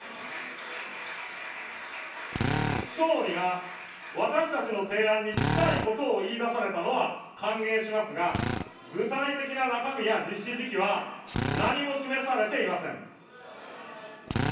総理が私たちの提案に近いことを言い出されたのは歓迎しますが、具体的な中身や実施時期は何も示されていません。